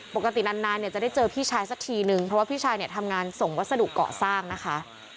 ปกตินานเนี่ยจะได้เจอพี่ชายสักทีนึงเพราะว่าพี่ชายเนี่ยทำงานส่งวัสดุเกาะสร้างนะคะ